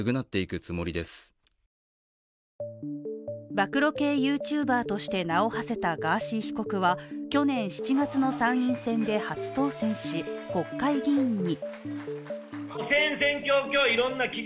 暴露系ＹｏｕＴｕｂｅｒとして名をはせたガーシー被告は去年７月の参院選で初当選し国会議員に。